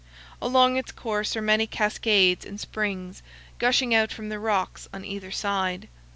Along its course are many cascades and springs, gushing out from the rocks on either side.